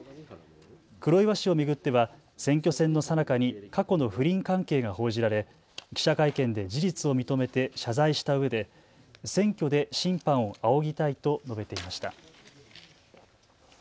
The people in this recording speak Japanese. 黒岩氏を巡っては選挙戦のさなかに過去の不倫関係が報じられ記者会見で事実を認めて謝罪したうえで選挙で審判を仰ぎたいと述べていました。